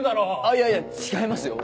いやいや違いますよ。